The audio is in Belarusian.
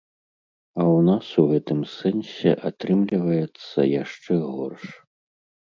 А ў нас у гэтым сэнсе атрымліваецца яшчэ горш.